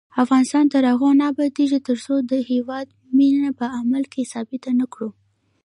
افغانستان تر هغو نه ابادیږي، ترڅو د هیواد مینه په عمل کې ثابته نکړو.